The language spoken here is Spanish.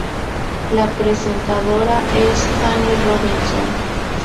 La presentadora es Anne Robinson.